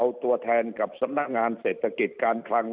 เอาตัวแทนกับสำนักงานเศรษฐกิจการคลัง